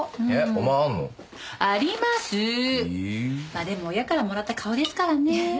まあでも親からもらった顔ですからねぇ。